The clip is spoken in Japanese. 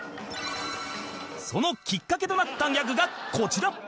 そのきっかけとなったギャグがこちら！